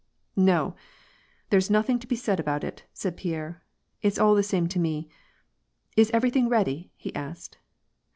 "No! there's nothing to be said about it," said Pierre. " It's all the same to me. — Is everything ready ?" he asked.